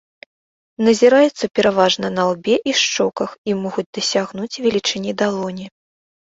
Назіраюцца пераважна на лбе і шчоках і могуць дасягнуць велічыні далоні.